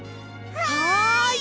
はい！